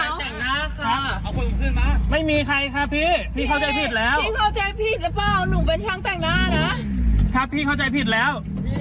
แบบไม่มีใครค่ะพี่พี่เข้าใจผิดแล้ว